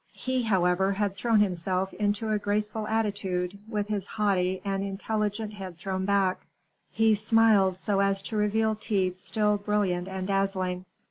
He, however, had thrown himself into a graceful attitude, with his haughty and intelligent head thrown back; he smiled so as to reveal teeth still brilliant and dazzling.